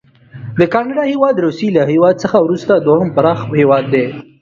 د کاناډا هیواد د روسي له هیواد څخه وروسته دوهم پراخ هیواد دی.